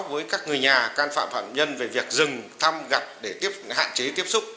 với các người nhà căn phạm phạm nhân về việc dừng thăm gặp để hạn chế tiếp xúc